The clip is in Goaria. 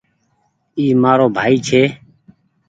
اي مآرو ڀآئي ڇي